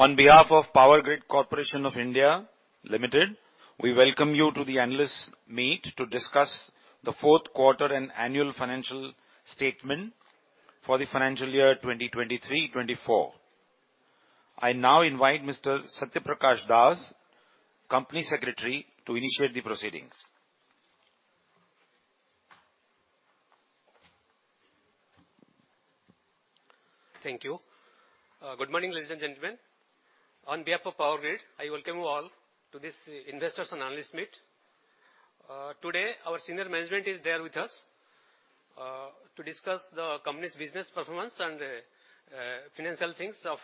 ...On behalf of Power Grid Corporation of India Limited, we welcome you to the analyst meet to discuss the fourth quarter and annual financial statement for the financial year 2023-24. I now invite Mr. Satyaprakash Dash, Company Secretary, to initiate the proceedings. Thank you. Good morning, ladies and gentlemen. On behalf of Power Grid, I welcome you all to this investors and analysts meet. Today, our senior management is there with us, to discuss the company's business performance and, financial things of,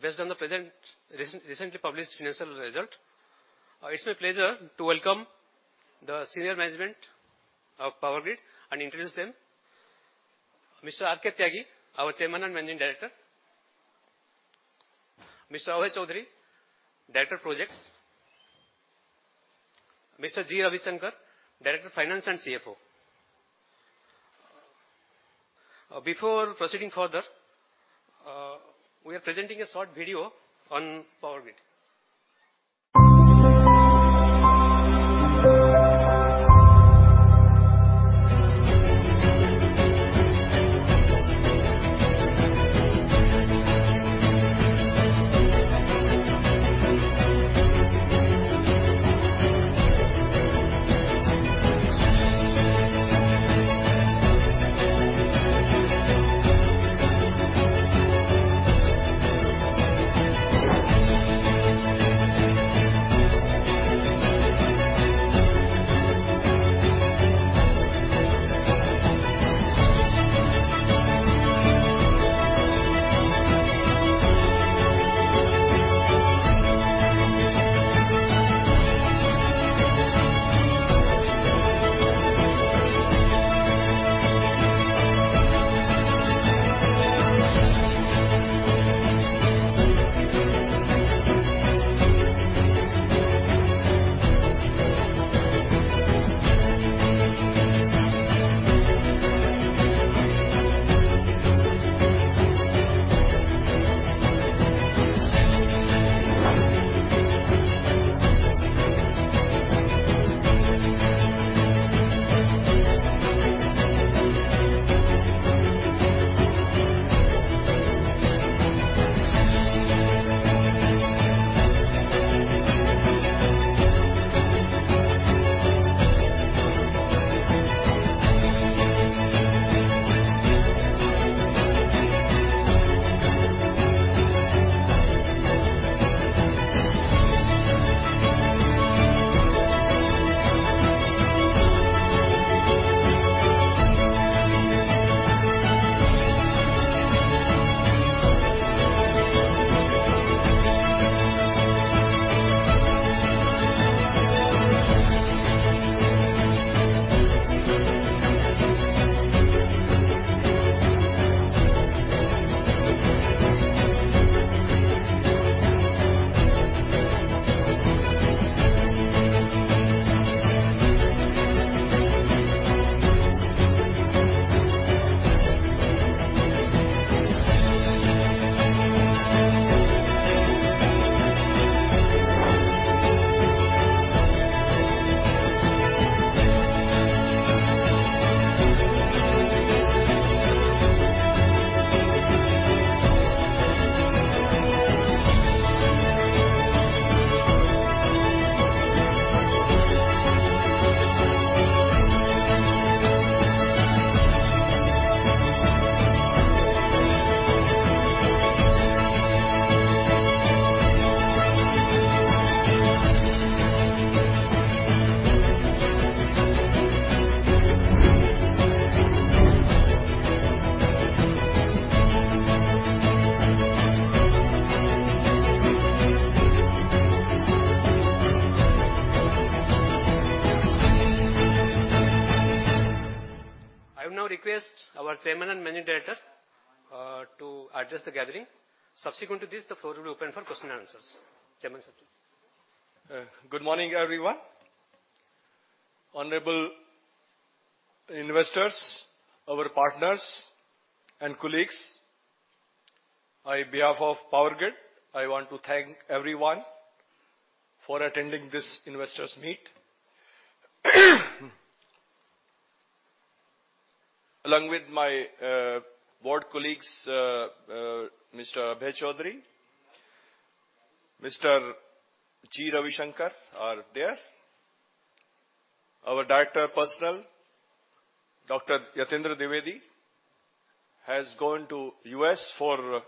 based on the present recent, recently published financial result. It's my pleasure to welcome the senior management of Power Grid and introduce them. Mr. R.K. Tyagi, our Chairman and Managing Director, Mr. Abhay Choudhary, Director (Projects), Mr. G. Ravisankar, Director (Finance) and CFO. Before proceeding further, we are presenting a short video on Power Grid. I will now request our Chairman and Managing Director, to address the gathering. Subsequent to this, the floor will be open for question and answers. Chairman, sir, please. Good morning, everyone. Honorable investors, our partners, and colleagues. On behalf of Power Grid, I want to thank everyone for attending this investors meet. Along with my board colleagues, Mr. Abhay Choudhary, Mr. G. Ravisankar are there. Our Director, Personnel, Dr. Yatindra Dwivedi, has gone to U.S. for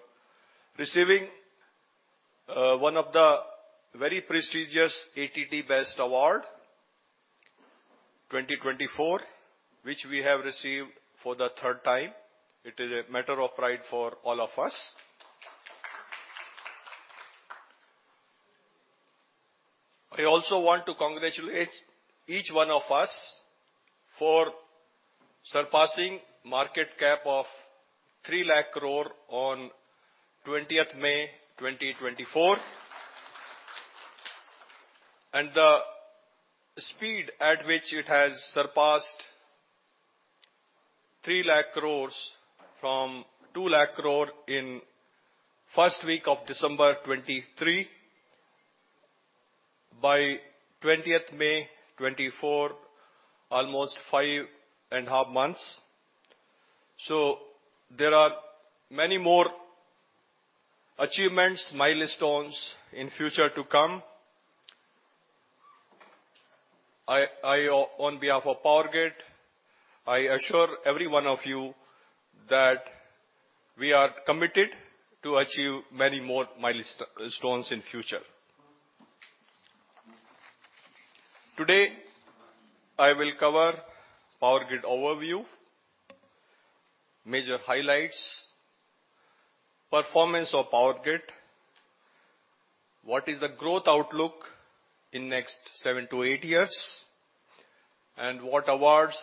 receiving one of the very prestigious ATD Best Award 2024, which we have received for the third time. It is a matter of pride for all of us. I also want to congratulate each one of us for surpassing market cap of 300,000 crore on 20th May, 2024. The speed at which it has surpassed 300,000 crore from 200,000 crore in first week of December 2023, by 20th May 2024, almost five and half months. So there are many more achievements, milestones, in future to come. On behalf of Power Grid, I assure every one of you that we are committed to achieve many more milestones in future. Today, I will cover Power Grid overview, major highlights, performance of Power Grid, what is the growth outlook in next seven to eight years, and what awards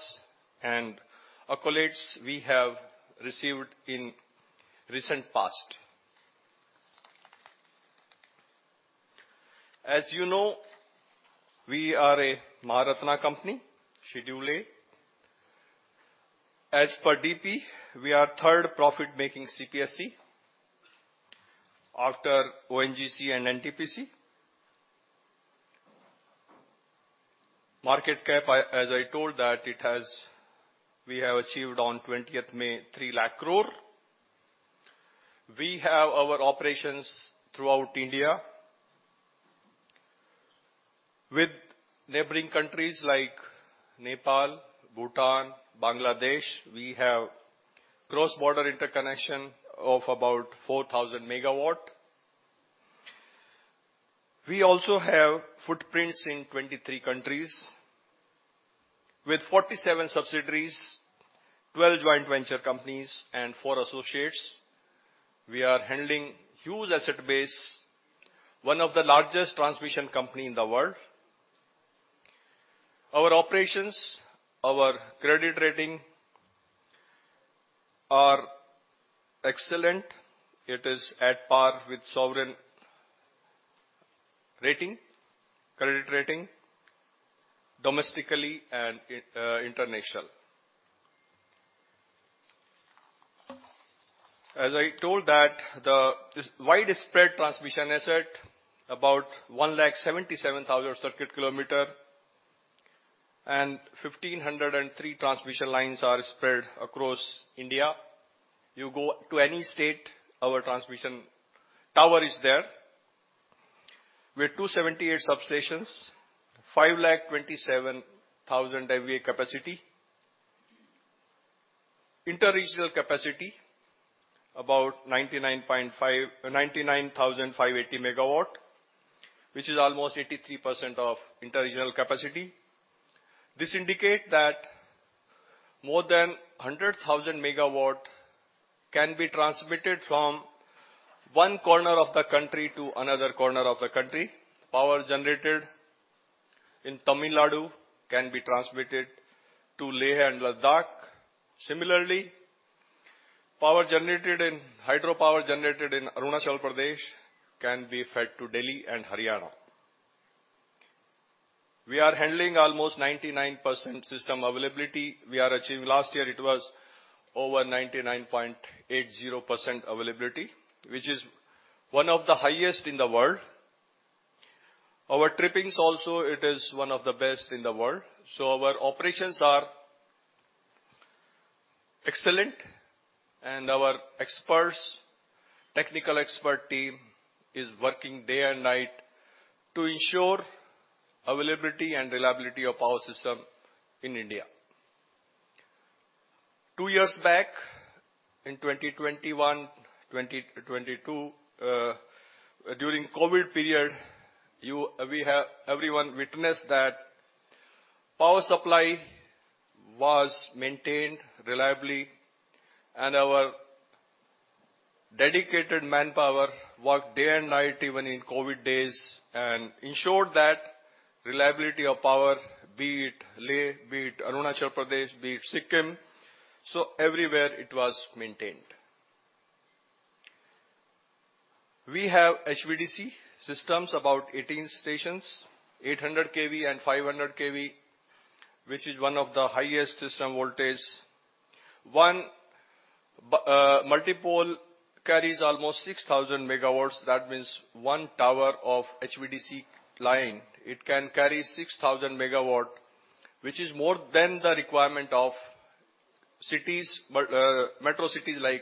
and accolades we have received in recent past. As you know, we are a Maharatna company, Schedule A. As per DP, we are third profit-making CPSE, after ONGC and NTPC. Market cap, as I told that, we have achieved on 20th May, 300,000 crore. We have our operations throughout India. With neighboring countries like Nepal, Bhutan, Bangladesh, we have cross-border interconnection of about 4,000 MW. We also have footprints in 23 countries with 47 subsidiaries, 12 joint venture companies, and four associates. We are handling huge asset base, one of the largest transmission company in the world. Our operations, our credit rating are excellent. It is at par with sovereign rating, credit rating, domestically and international. As I told that, the widespread transmission asset, about 177,000 circuit kilometer and 1,503 transmission lines are spread across India. You go to any state, our transmission tower is there. We have 278 substations, 527,000 MVA capacity. Inter-regional capacity, about 99,580 MW, which is almost 83% of inter-regional capacity. This indicate that more than 100,000 MW can be transmitted from one corner of the country to another corner of the country. Power generated in Tamil Nadu can be transmitted to Leh and Ladakh. Similarly, hydropower generated in Arunachal Pradesh can be fed to Delhi and Haryana. We are handling almost 99% system availability. We are achieving. Last year, it was over 99.80% availability, which is one of the highest in the world. Our trippings also, it is one of the best in the world. So our operations are excellent, and our experts, technical expert team, is working day and night to ensure availability and reliability of power system in India. Two years back, in 2021, 2022, during COVID period, everyone witnessed that power supply was maintained reliably, and our dedicated manpower worked day and night, even in COVID days, and ensured that reliability of power, be it Leh, be it Arunachal Pradesh, be it Sikkim, so everywhere it was maintained. We have HVDC systems, about 18 stations, 800 kV and 500 kV, which is one of the highest system voltage. One multipole carries almost 6,000 MW. That means one tower of HVDC line, it can carry 6,000 MW, which is more than the requirement of cities, metro cities like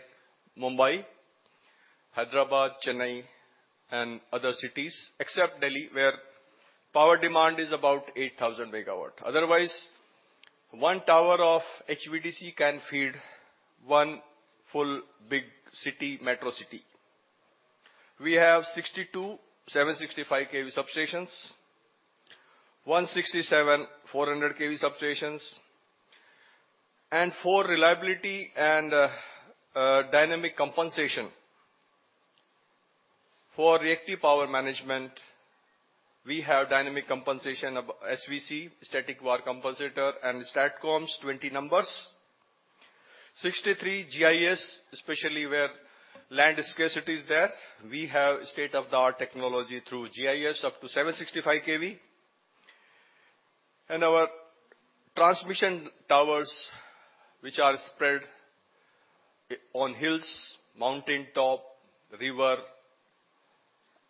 Mumbai, Hyderabad, Chennai and other cities, except Delhi, where power demand is about 8,000 MW. Otherwise, one tower of HVDC can feed one full big city, metro city. We have 62 765 kV substations, 167 400 kV substations, and for reliability and dynamic compensation. For reactive power management, we have dynamic compensation of SVC, static var compensator, and STATCOMs, 20 numbers. 63 GIS, especially where land scarcity is there. We have state-of-the-art technology through GIS, up to 765 kV. Our transmission towers, which are spread on hills, mountain top, river,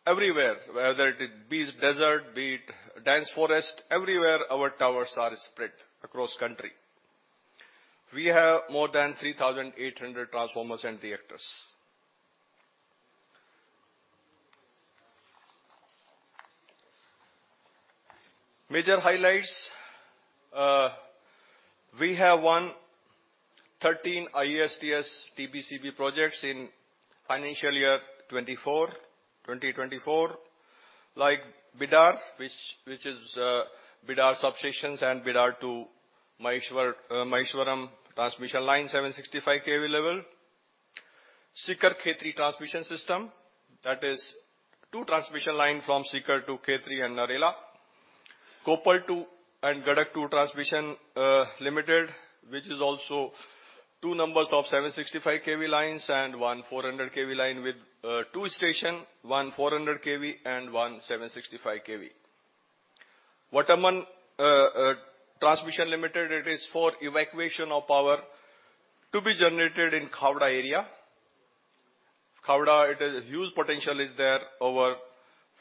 everywhere, whether it be desert, be it dense forest, everywhere our towers are spread across country. We have more than 3,800 transformers and reactors. Major highlights, we have won 13 IESTS TBCB projects in financial year 2024. Like Bidar, which, which is, Bidar substations and Bidar to Maheshwaram transmission line, 765 kV level. Sikar Khetri transmission system, that is two transmission line from Sikar to Khetri and Narela. Koppal II and Gadag II Transmission Limited, which is also two numbers of 765 kV lines and one 400 kV line with, two station, one 400 kV and one 765 kV. Vataman Transmission Limited, it is for evacuation of power to be generated in Khavda area. Khavda, it is a huge potential is there, over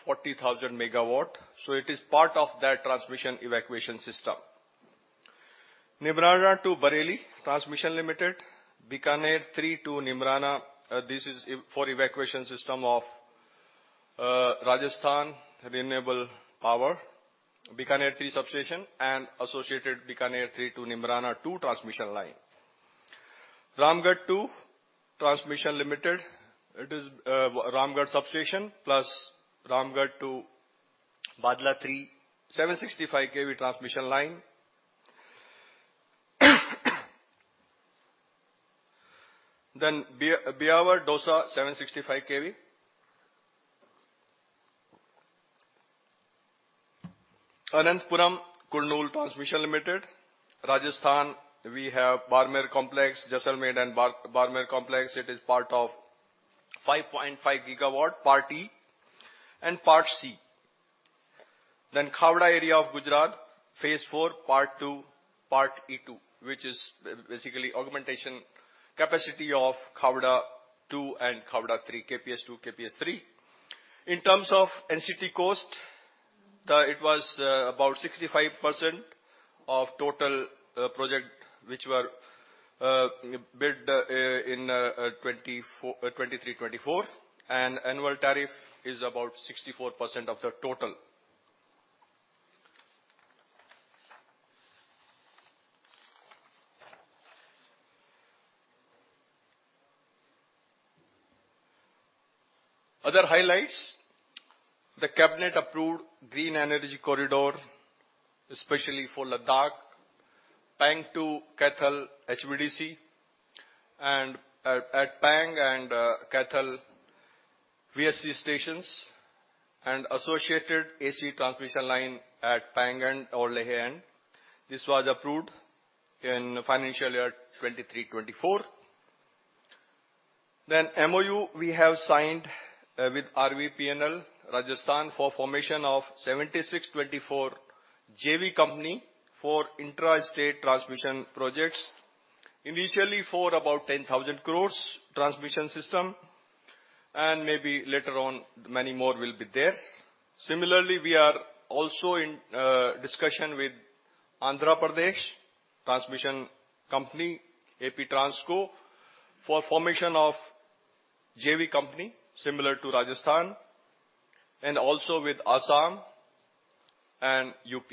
40,000 MW, so it is part of that transmission evacuation system. Neemrana to Bareilly Transmission Limited, Bikaner-III to Neemrana, this is for evacuation system of Rajasthan Renewable Power, Bikaner-III Substation, and associated Bikaner-III to Neemrana II transmission line. Ramgarh II Transmission Limited, it is, Ramgarh Substation plus Ramgarh to Bhadla III, 765 kV transmission line. Then Beawar Dausa, 765 kV. Ananthapuramu Kurnool Transmission Limited, Rajasthan, we have Barmer complex, Jaisalmer and Barmer complex. It is part of 5.5 GW, Part E and Part C. Then Khavda area of Gujarat, phase four, Part Two, Part E-2, which is basically augmentation capacity of Khavda II and Khavda III, KPS-2, KPS-3. In terms of NCT cost, the... It was about 65% of total project, which were bid in 2023-2024, and annual tariff is about 64% of the total. Other highlights, the cabinet approved Green Energy Corridor, especially for Ladakh, Pang to Kaithal HVDC, and at Pang and Kaithal VSC stations, and associated AC transmission line at Pang and/or Leh end. This was approved in financial year 2023-2024. Then MOU, we have signed with RVPN, Rajasthan, for formation of 76/24 JV company for intrastate transmission projects, initially for about 10,000 crore transmission system, and maybe later on, many more will be there. Similarly, we are also in discussion with Andhra Pradesh Transmission Company, APTRANSCO, for formation of JV company similar to Rajasthan, and also with Assam and UP.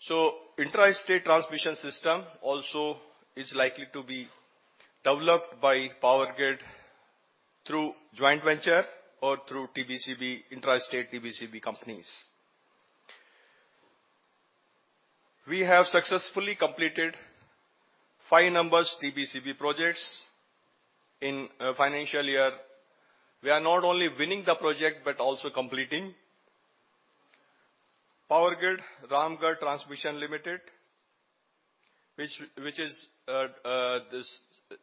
So intrastate transmission system also is likely to be developed by Power Grid through joint venture or through TBCB, intrastate TBCB companies. We have successfully completed five numbers TBCB projects in financial year. We are not only winning the project, but also completing. Power Grid Ramgarh Transmission Limited, which is this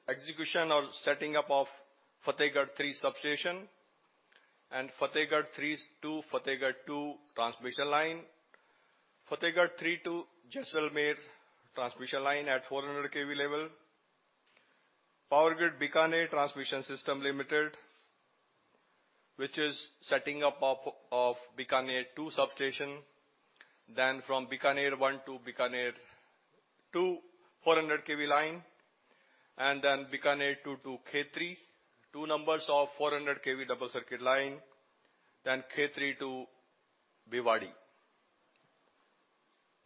execution or setting up of Fatehgarh III substation, and Fatehgarh III to Fatehgarh II transmission line, Fatehgarh III to Jaisalmer transmission line at 400 kV level. Power Grid Bikaner Transmission System Limited, which is setting up of Bikaner-II substation, then from Bikaner I to Bikaner-II, 400 kV line, and then Bikaner-II to Khetri, two numbers of 400 kV double-circuit line, then Khetri to Bhiwadi.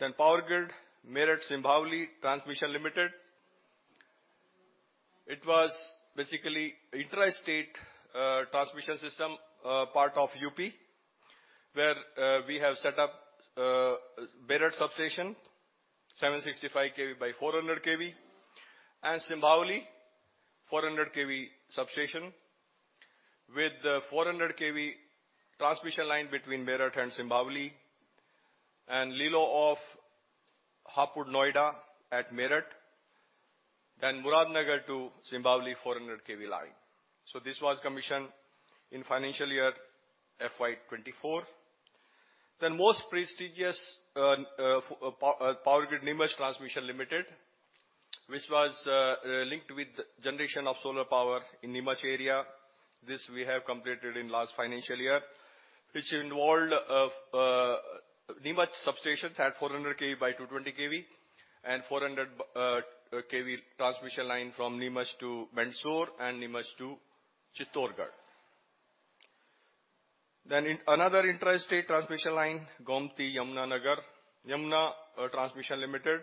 Then Power Grid Meerut-Simbhaoli Transmission Limited. It was basically intrastate transmission system, part of UP, where we have set up Meerut Substation, 765 kV by 400 kV, and Simbhaoli, 400 kV substation, with a 400 kV transmission line between Meerut and Simbhaoli... and LILO of Hapur Noida at Meerut, then Muradnagar to Simbhaoli 400 kV line. So this was commissioned in financial year FY 2024. Then most prestigious Power Grid Neemuch Transmission Limited, which was linked with generation of solar power in Neemuch area. This we have completed in last financial year, which involved Neemuch substation at 400 kV by 220 kV, and 400 kV transmission line from Neemuch to Mandsaur and Neemuch to Chittorgarh. Then in another intrastate transmission line, Gomti Yamuna Nagar Yamuna Transmission Limited,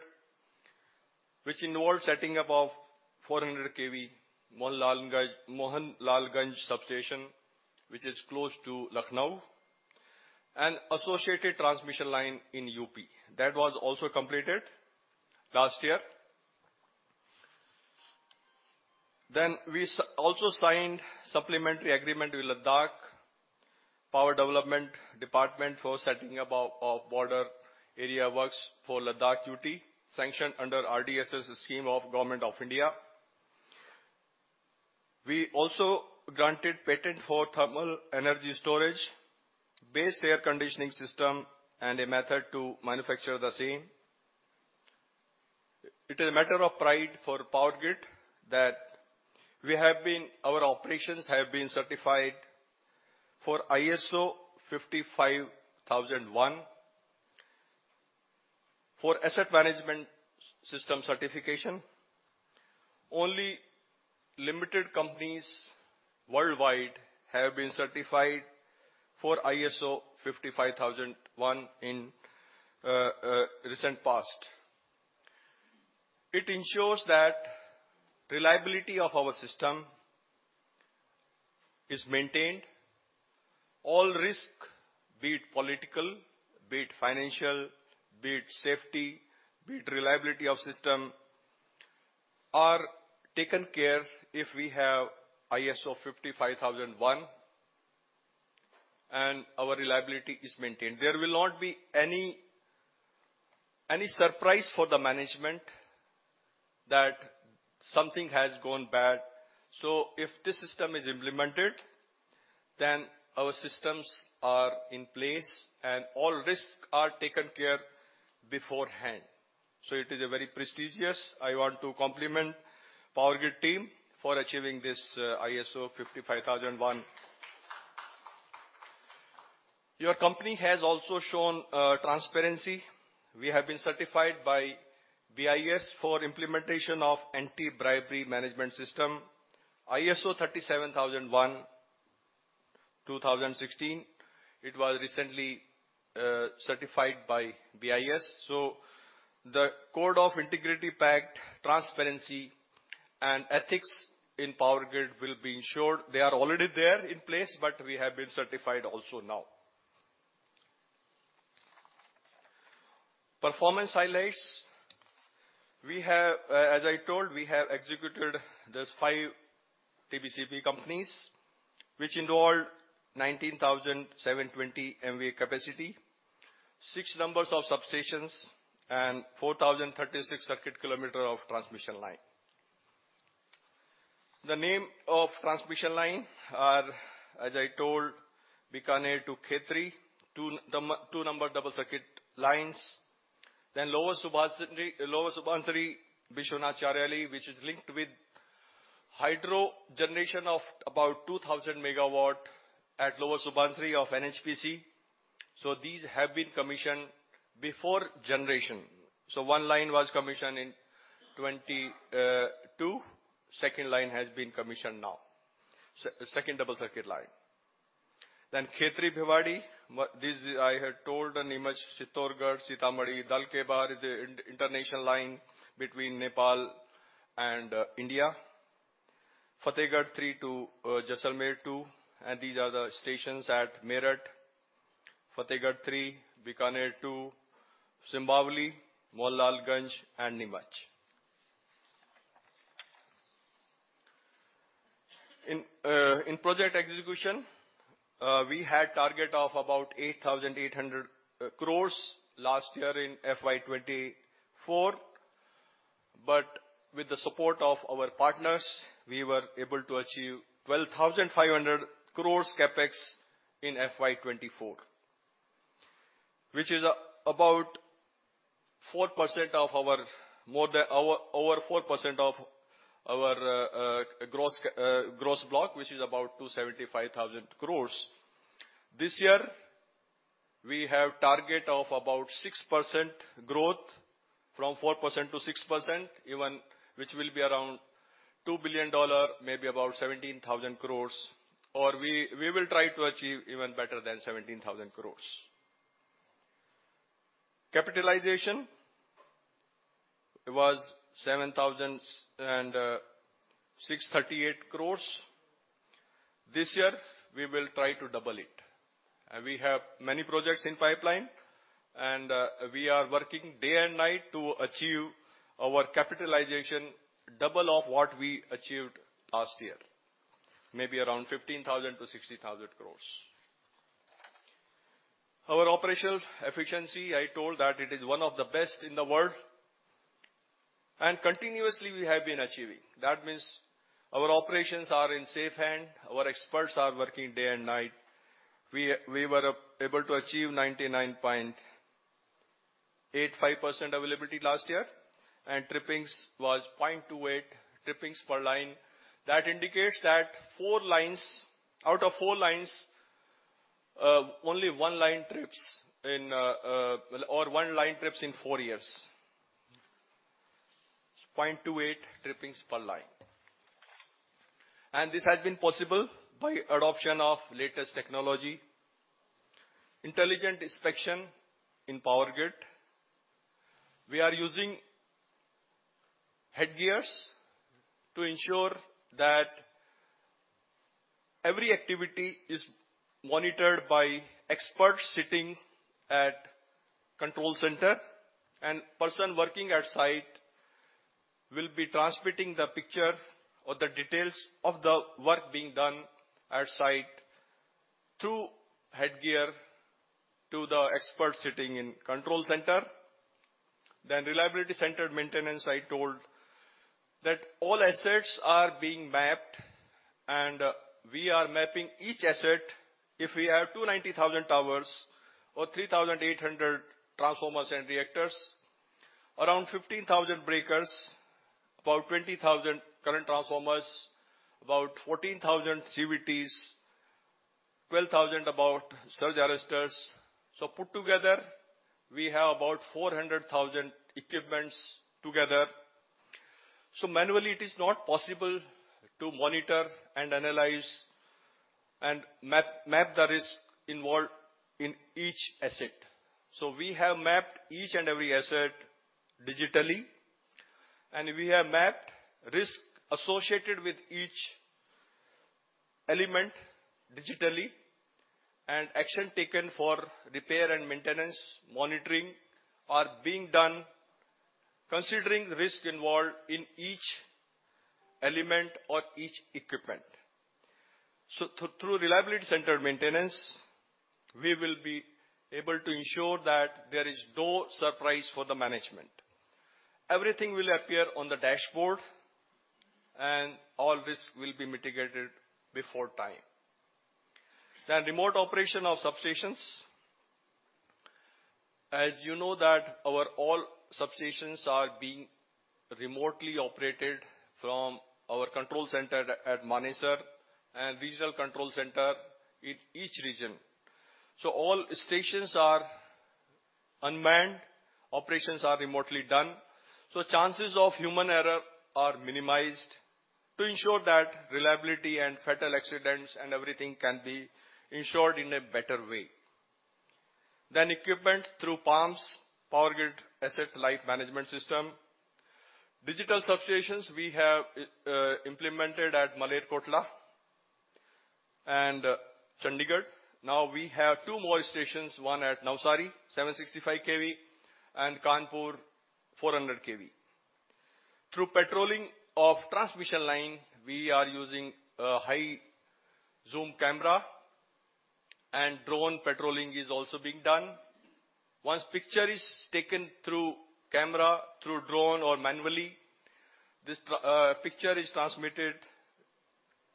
which involved setting up of 400 kV Mohanlalganj, Mohanlalganj substation, which is close to Lucknow, and associated transmission line in UP. That was also completed last year. Then we also signed supplementary agreement with Ladakh Power Development Department for setting up our border area works for Ladakh UT, sanctioned under RDSS scheme of government of India. We also granted patent for thermal energy storage based air conditioning system, and a method to manufacture the same. It is a matter of pride for Power Grid that our operations have been certified for ISO 55001. For asset management system certification, only limited companies worldwide have been certified for ISO 55001 in recent past. It ensures that reliability of our system is maintained. All risk, be it political, be it financial, be it safety, be it reliability of system, are taken care if we have ISO 55001, and our reliability is maintained. There will not be any surprise for the management that something has gone bad. So if this system is implemented, then our systems are in place, and all risks are taken care beforehand. So it is a very prestigious. I want to compliment Power Grid team for achieving this, ISO 55001. Your company has also shown transparency. We have been certified by BIS for implementation of anti-bribery management system, ISO 37001:2016. It was recently certified by BIS. So the code of integrity, pact, transparency, and ethics in Power Grid will be ensured. They are already there in place, but we have been certified also now. Performance highlights. We have, as I told, we have executed these five TBCB companies, which involved 19,720 MVA capacity, six numbers of substations, and 4,036 circuit kilometer of transmission line. The name of transmission line are, as I told, Bikaner to Khetri, two number double circuit lines. Then Lower Subansiri, Lower Subansiri-Biswanath Chariali, which is linked with hydro generation of about 2,000 MW at Lower Subansiri of NHPC. So these have been commissioned before generation. So one line was commissioned in 2022. Second line has been commissioned now, second double circuit line. Then Khetri-Bhiwadi, what... This I had told, and Neemuch-Chittorgarh, Sitamarhi-Dhalkebar, the international line between Nepal and India. Fatehgarh III to, Jaisalmer II, and these are the stations at Meerut, Fatehgarh III, Bikaner-II, Simbhaoli, Mohanlalganj, and Neemuch. In project execution, we had target of about 8,800 crore in FY 2024. But with the support of our partners, we were able to achieve 12,500 crore CapEx in FY 2024, which is about 4% of our... more than our, over 4% of our gross block, which is about 275,000 crore. This year, we have target of about 6% growth, from 4% to 6% even, which will be around $2 billion, maybe about 17,000 crore, or we will try to achieve even better than 17,000 crore. Capitalization, it was 7,638 crore. This year, we will try to double it, and we have many projects in pipeline, and we are working day and night to achieve our capitalization double of what we achieved last year, maybe around 15,000 crore-60,000 crore. Our operational efficiency, I told that it is one of the best in the world, and continuously we have been achieving. That means our operations are in safe hand. Our experts are working day and night. We were able to achieve 99.85% availability last year, and trippings was 0.28 trippings per line. That indicates that four lines out of four lines, only one line trips in, or one line trips in four years. 0.28 trippings per line. And this has been possible by adoption of latest technology, intelligent inspection in Power Grid. We are using headgears to ensure that every activity is monitored by experts sitting at control center, and person working at site will be transmitting the picture or the details of the work being done at site through headgear to the expert sitting in control center. Then reliability-centered maintenance, I told that all assets are being mapped, and we are mapping each asset. If we have 290,000 towers or 3,800 transformers and reactors, around 15,000 breakers, about 20,000 current transformers, about 14,000 CVTs, 12,000 about surge arresters. So put together, we have about 400,000 equipments together. So manually, it is not possible to monitor and analyze and map, map the risk involved in each asset. So we have mapped each and every asset digitally, and we have mapped risk associated with each element digitally, and action taken for repair and maintenance, monitoring, are being done considering risk involved in each element or each equipment. So through reliability-centered maintenance, we will be able to ensure that there is no surprise for the management. Everything will appear on the dashboard, and all risk will be mitigated before time. Then remote operation of substations. As you know that our all substations are being remotely operated from our control center at Manesar and regional control center in each region. So all stations are unmanned, operations are remotely done, so chances of human error are minimized to ensure that reliability and fatal accidents and everything can be ensured in a better way. Then equipment through PALMS, Power Grid Asset Life Management System. Digital substations we have implemented at Malerkotla and Chandigarh. Now we have two more stations, one at Navsari, 765 kV, and Kanpur, 400 kV. Through patrolling of transmission line, we are using a high zoom camera, and drone patrolling is also being done. Once picture is taken through camera, through drone, or manually, this picture is transmitted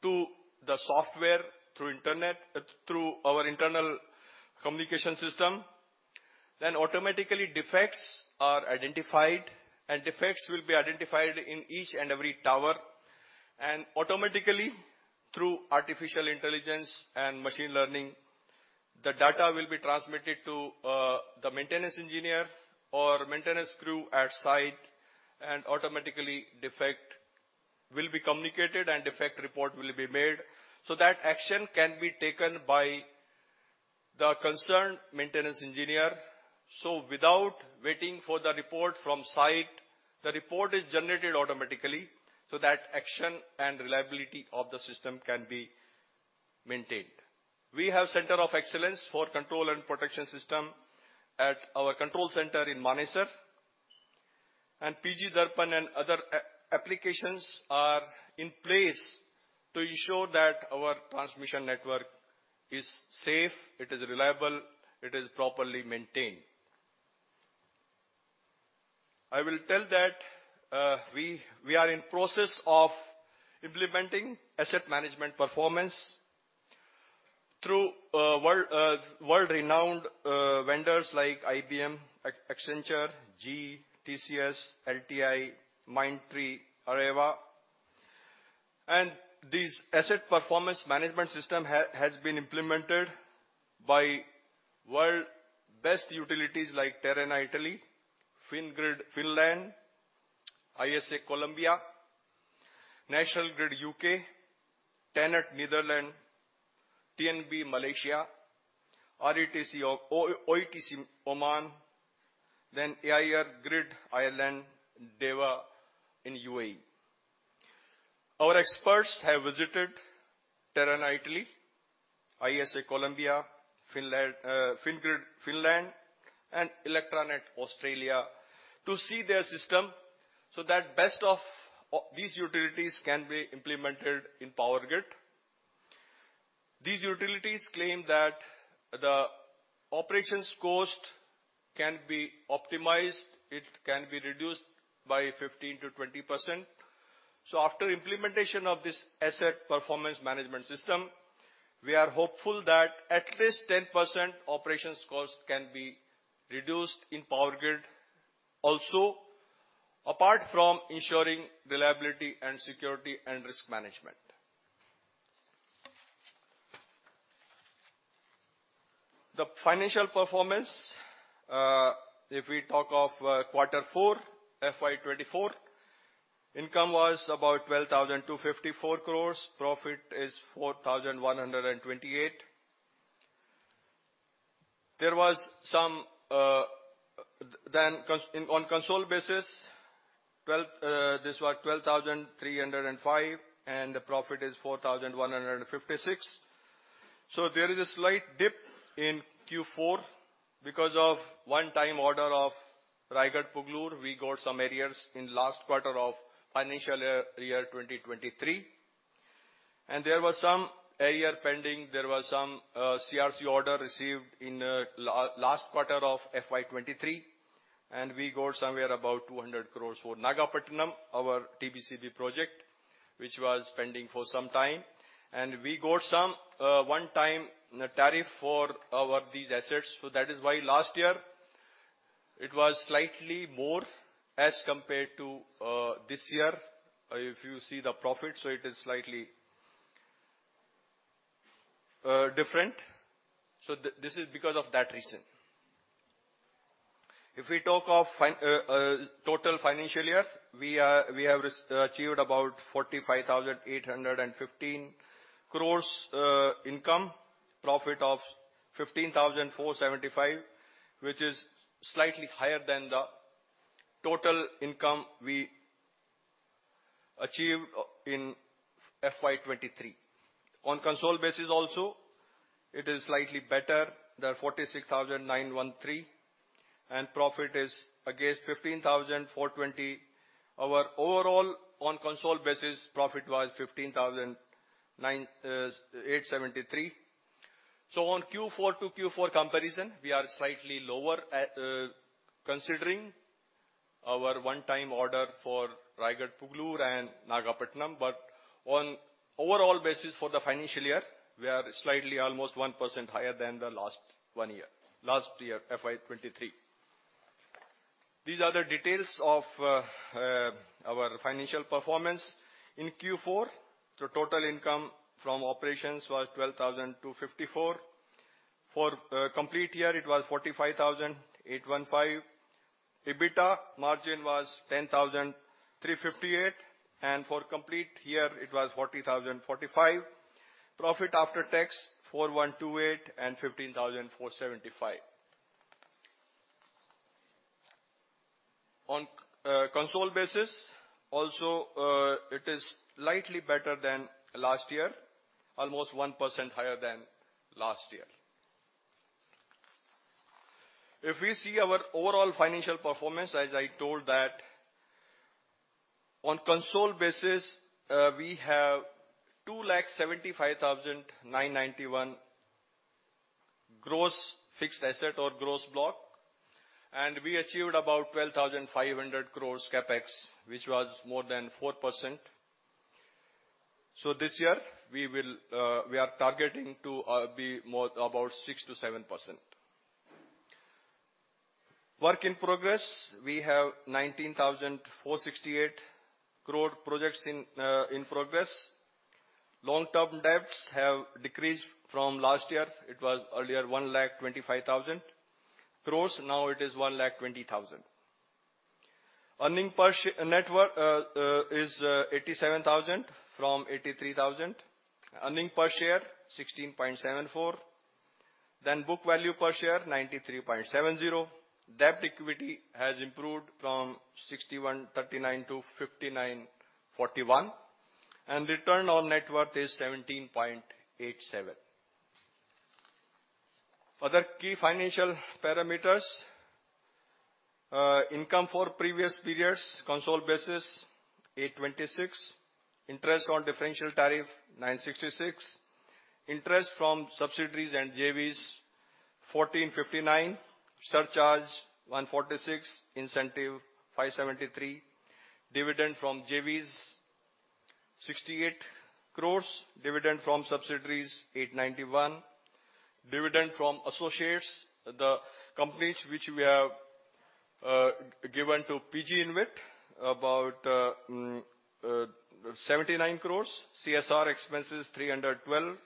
to the software through internet, through our internal communication system. Then automatically, defects are identified, and defects will be identified in each and every tower. And automatically, through artificial intelligence and machine learning, the data will be transmitted to the maintenance engineer or maintenance crew at site, and automatically, defect will be communicated and defect report will be made so that action can be taken by the concerned maintenance engineer. So without waiting for the report from site, the report is generated automatically, so that action and reliability of the system can be maintained. We have Center of Excellence for Control and Protection System at our control center in Manesar, and PG Darpan and other applications are in place to ensure that our transmission network is safe, it is reliable, it is properly maintained. I will tell that, we are in process of implementing asset management performance through world-renowned vendors like IBM, Accenture, GE, TCS, LTI Mindtree, Areva. And this asset performance management system has been implemented by world best utilities like Terna Italy, Fingrid Finland, ISA Colombia, National Grid U.K., TenneT Netherlands, TNB Malaysia, OETC Oman, then EirGrid Ireland, DEWA in UAE. Our experts have visited Terna Italy. ISA Colombia, Finland, Fingrid Finland, and ElectraNet Australia, to see their system, so that best of these utilities can be implemented in Power Grid. These utilities claim that the operations cost can be optimized, it can be reduced by 15%-20%. So after implementation of this asset performance management system, we are hopeful that at least 10% operations cost can be reduced in Power Grid. Also, apart from ensuring reliability and security and risk management. The financial performance, if we talk of quarter four, FY 2024, income was about 12,254 crore. Profit is 4,128 crore. Then, on consolidated basis, this was 12,305 crore, and the profit is 4,156 crore. There is a slight dip in Q4 because of one-time order of Raigarh-Pugalur. We got some arrears in last quarter of financial year 2023, and there was some AR pending. There was some CRC order received in last quarter of FY 2023, and we got somewhere about 200 crore for Nagapattinam, our TBCB project, which was pending for some time. And we got some one-time tariff for our these assets. So that is why last year it was slightly more as compared to this year. If you see the profit, so it is slightly different. This is because of that reason. If we talk of financial year, we have achieved about 45,815 crore income, profit of 15,475 crore, which is slightly higher than the total income we achieved in FY 2023. On consolidated basis also, it is slightly better, the 46,913 crore, and profit is, again, 15,420 crore. Our overall on consolidated basis, profit was 15,987.3 crore. So on Q4 to Q4 comparison, we are slightly lower at, considering our one-time order for Raigarh-Pugalur and Nagapattinam. But on overall basis for the financial year, we are slightly almost 1% higher than the last one year—last year, FY 2023. These are the details of our financial performance in Q4. So total income from operations was 12,254 crore. For complete year, it was 45,815 crore. EBITDA was 10,358 crore, and for complete year, it was 40,045 crore. Profit after tax, 4,128 crore and 15,475 crore. On consolidated basis, also, it is slightly better than last year, almost 1% higher than last year. If we see our overall financial performance, as I told that on consolidated basis, we have 275,991 crore gross fixed asset or gross block, and we achieved about 12,500 crore CapEx, which was more than 4%. So this year, we will, we are targeting to be more, about 6%-7%. Work in progress, we have 19,468 crore projects in progress. Long-term debts have decreased from last year. It was earlier 125,000 crore, now it is 120,000 crore. Net worth is 87,000 crore from 83,000 crore. Earnings per share, 16.74 crore. Then book value per share, 93.70 crore. Debt equity has improved from INR 61:39 crore-INR 59:41 crore, and return on net worth is 17.87 crore. Other key financial parameters, income for previous periods, consolidated basis, 826 crore. Interest on differential tariff, 966 crore. Interest from subsidiaries and JVs, 1,459 crore. Surcharge, 146 crore. Incentive, 573 crore. Dividend from JVs, 68 crore. Dividend from subsidiaries, 891 crore. Dividend from associates, the companies which we have given to PGInvIT, about 79 crore. CSR expenses, 312 crore.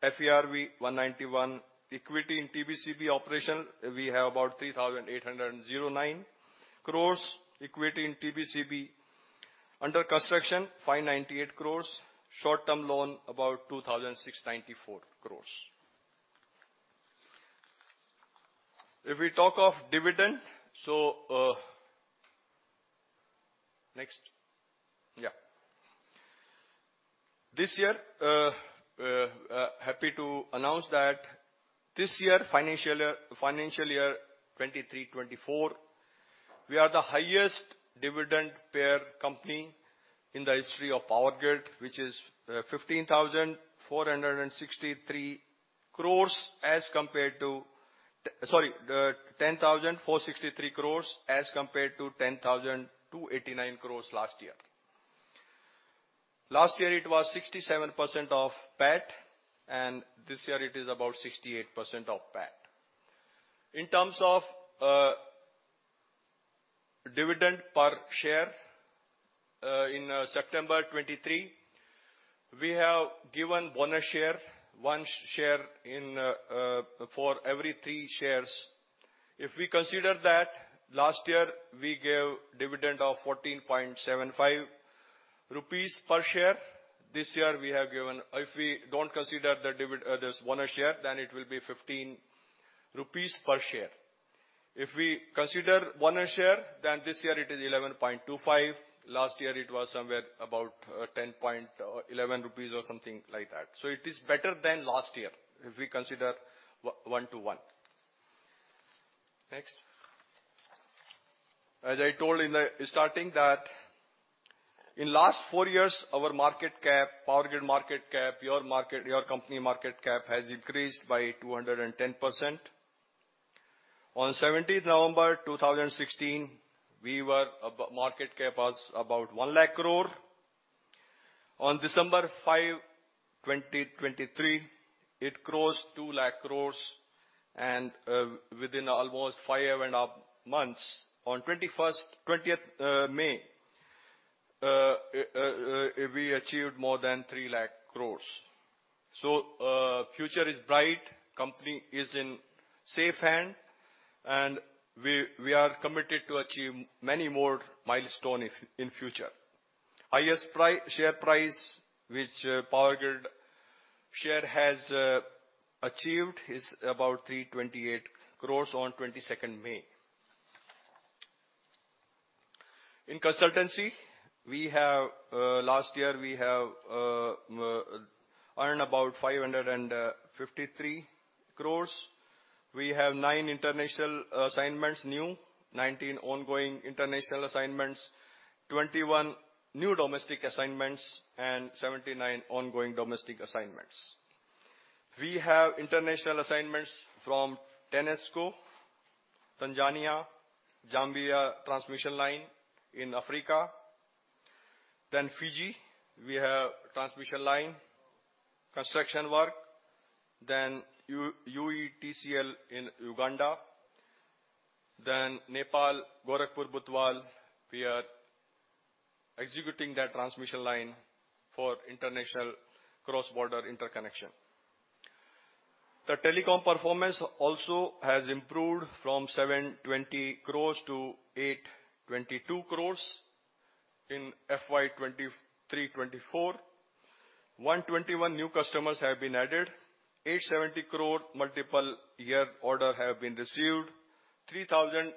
FERV, 191 crore. Equity in TBCB operation, we have about 3,809 crore. Equity in TBCB under construction, 598 crore. Short-term loan, about 2,694 crore. If we talk of dividend, so, next. Yeah. This year, happy to announce that this year, financial year 2023-2024, we are the highest dividend payer company in the history of Power Grid, which is 15,463 crore as compared to—sorry, 10,463 crore as compared to 10,289 crore last year. Last year, it was 67% of PAT, and this year it is about 68% of PAT. In terms of dividend per share, in September 2023, we have given bonus share, one share for every three shares. If we consider that last year, we gave dividend of 14.75 rupees per share, this year we have given if we don't consider the dividend this bonus share, then it will be 15 rupees per share. If we consider bonus share, then this year it is 11.25. Last year, it was somewhere about, 10 rupees or INR 11 or something like that. So it is better than last year, if we consider one to one. Next. As I told in the starting that in last four years, our market cap, Power Grid market cap, your market, your company market cap, has increased by 210%. On seventeenth November 2016, we were market cap was about 100,000 crore. On December 5, 2023, it crossed 200,000 crore and, within almost five and a half months, on twentieth May, we achieved more than 300,000 crore. So, future is bright, company is in safe hand, and we are committed to achieve many more milestone in future. Highest price, share price, which Power Grid share has achieved, is about 328 crore on twenty-second May. In consultancy, last year we earned about 553 crore. We have nine new international assignments, 19 ongoing international assignments, 21 new domestic assignments, and 79 ongoing domestic assignments. We have international assignments from TANESCO, Tanzania, Zambia transmission line in Africa. Then Fiji, we have transmission line construction work, then UETCL in Uganda, then Nepal, Gorakhpur-Butwal, we are executing that transmission line for international cross-border interconnection. The telecom performance also has improved from 720 crore to 822 crore in FY 2023-2024. 121 new customers have been added. 870 crore multi-year order have been received. 3,000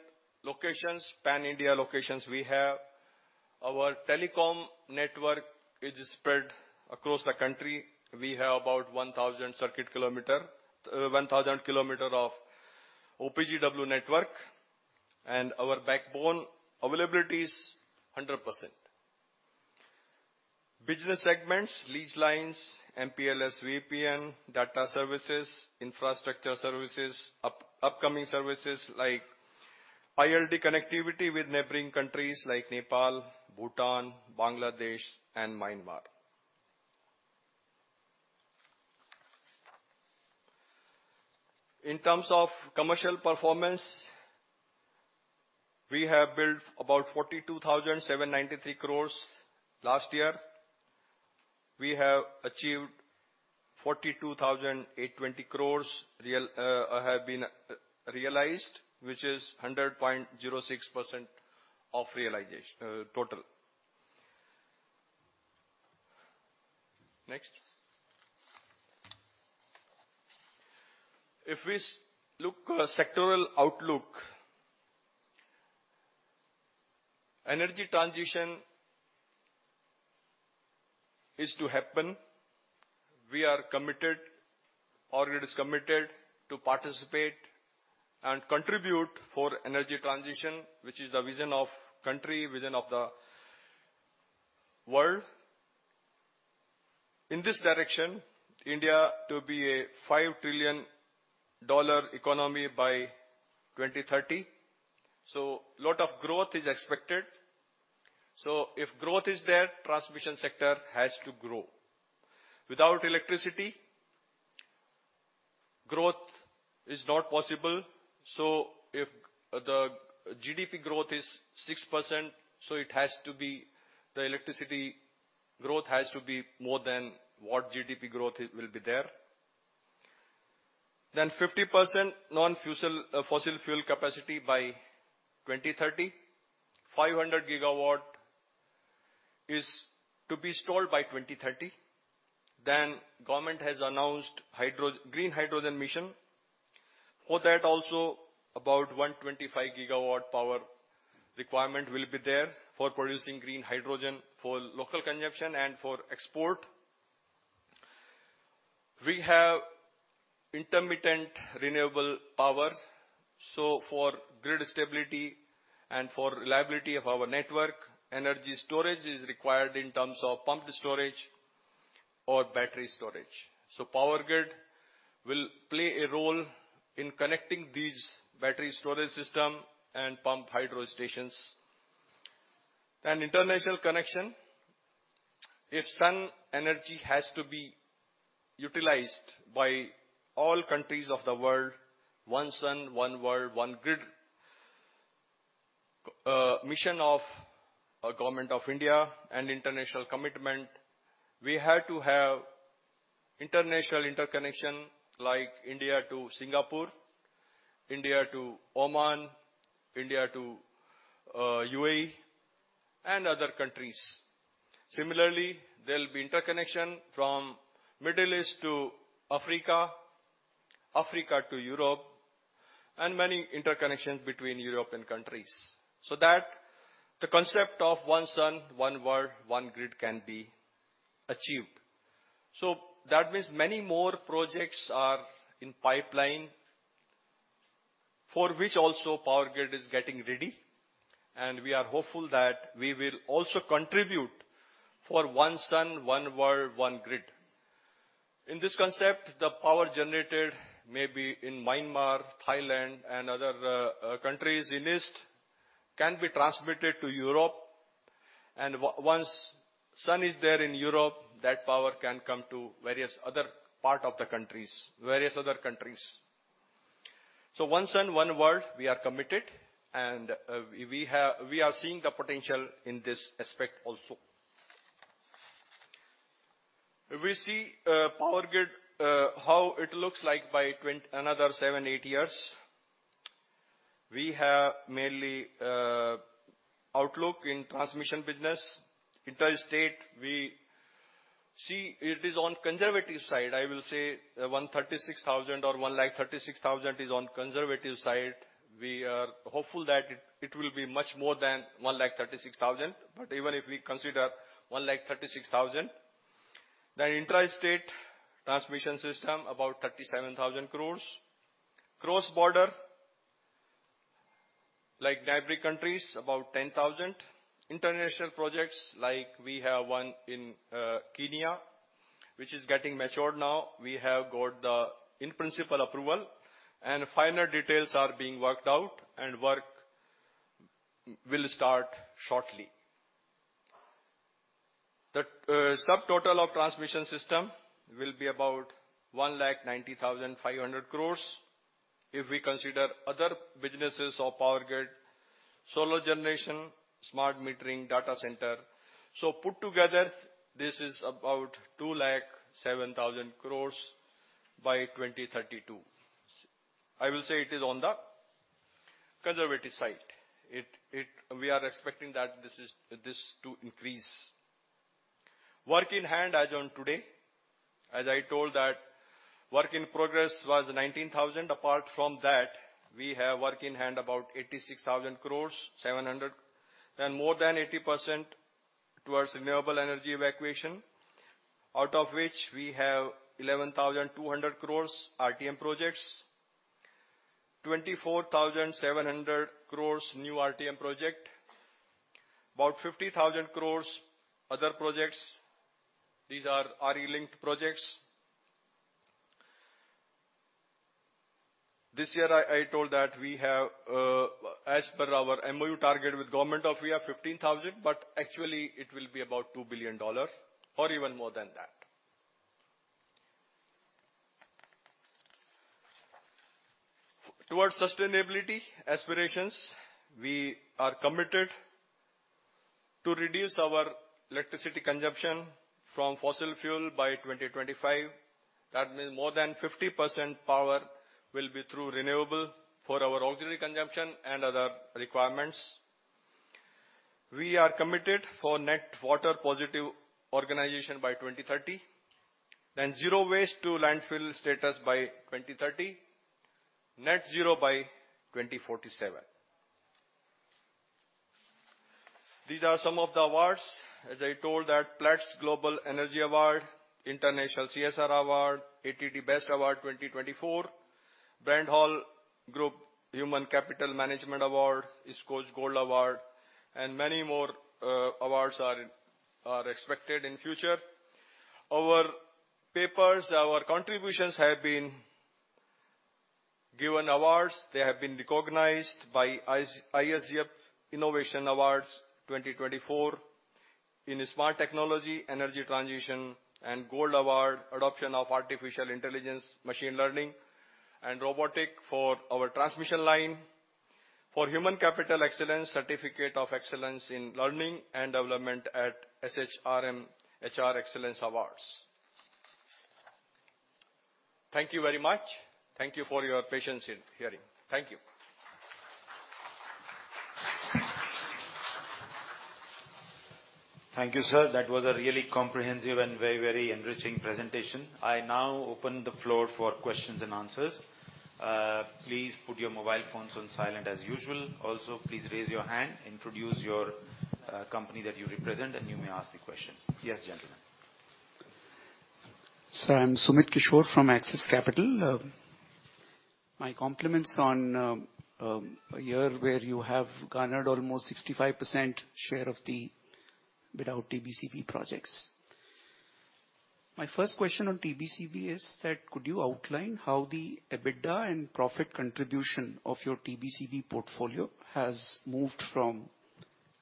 locations, pan-India locations we have. Our telecom network is spread across the country. We have about 1,000 circuit kilometer, 1,000 kilometer of OPGW network, and our backbone availability is 100%. Business segments, leased lines, MPLS, VPN, data services, infrastructure services, upcoming services like ILD connectivity with neighboring countries like Nepal, Bhutan, Bangladesh, and Myanmar. In terms of commercial performance, we have billed about 42,793 crore last year. We have achieved INR 42,820 crore, which has been realized, which is 100.06% of realization, total. Next. If we look at sectoral outlook, energy transition is to happen. We are committed, Power Grid is committed to participate and contribute for energy transition, which is the vision of country, vision of the world. In this direction, India to be a $5 trillion economy by 2030, so lot of growth is expected. So if growth is there, transmission sector has to grow. Without electricity, growth is not possible, so if the GDP growth is 6%, so it has to be, the electricity growth has to be more than what GDP growth will be there. Then 50% non-fossil fuel capacity by 2030, 500 GW-... is to be installed by 2030, then government has announced hydro green hydrogen mission. For that also, about 125 GW power requirement will be there for producing green hydrogen for local consumption and for export. We have intermittent renewable power, so for grid stability and for reliability of our network, energy storage is required in terms of pumped storage or battery storage. So Power Grid will play a role in connecting these battery storage system and pumped hydro stations. Then international connection, if sun energy has to be utilized by all countries of the world, One Sun, One World, One Grid mission of government of India and international commitment, we had to have international interconnection, like India to Singapore, India to Oman, India to UAE, and other countries. Similarly, there'll be interconnection from Middle East to Africa, Africa to Europe, and many interconnections between European countries, so that the concept of one sun, one world, one grid can be achieved. So that means many more projects are in pipeline, for which also Power Grid is getting ready, and we are hopeful that we will also contribute for one sun, one world, one grid. In this concept, the power generated may be in Myanmar, Thailand, and other countries in east, can be transmitted to Europe, and once sun is there in Europe, that power can come to various other part of the countries, various other countries. So one sun, one world, we are committed, and we are seeing the potential in this aspect also. We see Power Grid how it looks like by another seven, eight years. We have mainly outlook in transmission business. Intra-state, we see it is on conservative side. I will say 136,000 crore or 136,000 crore is on conservative side. We are hopeful that it will be much more than 136,000 crore, but even if we consider 136,000 crore, the intra-state transmission system, about 37,000 crore. Cross-border, like neighboring countries, about 10,000 crore. International projects, like we have one in Kenya, which is getting matured now. We have got the in-principle approval, and final details are being worked out, and work will start shortly. The subtotal of transmission system will be about 190,500 crore, if we consider other businesses of Power Grid, solar generation, smart metering, data center. So put together, this is about 207,000 crore by 2032. I will say it is on the conservative side. It. We are expecting that this is this to increase. Work in hand as on today, as I told that work in progress was 19,000 crore. Apart from that, we have work in hand about 86,700 crore, and more than 80% towards renewable energy evacuation, out of which we have 11,200 crore RTM projects, 24,700 crore new RTM project, about 50,000 crore other projects, these are RE-linked projects. This year, I told that we have, as per our MOU target with government of we have 15,000 crore, but actually it will be about $2 billion or even more than that. Towards sustainability aspirations, we are committed to reduce our electricity consumption from fossil fuel by 2025. That means more than 50% power will be through renewable for our auxiliary consumption and other requirements. We are committed for net water positive organization by 2030, then zero waste to landfill status by 2030, net zero by 2047. These are some of the awards. As I told that, Platts Global Energy Award, International CSR Award, ATD BEST Award 2024, Brandon Hall Group Human Capital Management Award, ISO Gold Award, and many more awards are expected in future. Our papers, our contributions have been given awards. They have been recognized by ISGF Innovation Awards 2024 in smart technology, energy transition, and Gold Award, adoption of artificial intelligence, machine learning, and robotic for our transmission line. For human capital excellence, Certificate of Excellence in Learning and Development at SHRM HR Excellence Awards. Thank you very much. Thank you for your patience in hearing. Thank you. Thank you, sir. That was a really comprehensive and very, very enriching presentation. I now open the floor for questions and answers. Please put your mobile phones on silent, as usual. Also, please raise your hand, introduce your company that you represent, and you may ask the question. Yes, gentleman. Sir, I'm Sumit Kishore from Axis Capital. My compliments on a year where you have garnered almost 65% share of the bid out TBCB projects. My first question on TBCB is that could you outline how the EBITDA and profit contribution of your TBCB portfolio has moved from